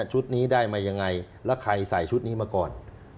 ชุดนี้ได้มายังไงแล้วใครใส่ชุดนี้มาก่อน